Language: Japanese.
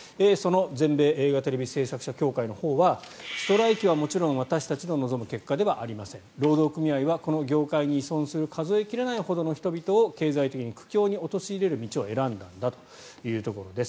全米映画テレビ制作者協会のほうはストライキはもちろん私たちの望む結果ではありません労働組合は、この業界に依存する数え切れないほどの人々を経済的に苦境に陥れる道を選んだんだというところです。